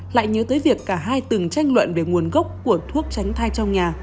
lại nhớ tới việc cả hai từng tranh luận về nguồn gốc của thuốc tránh thai trong nhà